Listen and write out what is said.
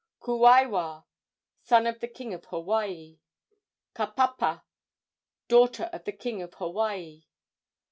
Kuaiwa, son of the king of Hawaii. Kapapa, daughter of the king of Hawaii.